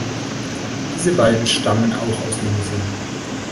Diese beiden stammen auch aus dem Museum.